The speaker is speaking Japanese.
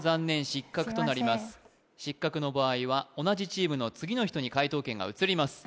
失格の場合は同じチームの次の人に解答権が移ります